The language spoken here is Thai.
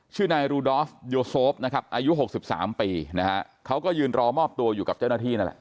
ชื่อนายรูดอฟโยโซฟอายุ๖๓ปีเขาก็ยืนรอมอบตัวอยู่กับเจ้าหน้าที่